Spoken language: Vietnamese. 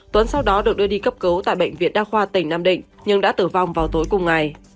tuấn sau đó được đưa đi cấp cứu tại bệnh viện đa khoa tỉnh nam định nhưng đã tử vong vào tối cùng ngày